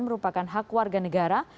merupakan hak warga negara